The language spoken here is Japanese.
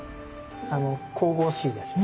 神々しいですよね。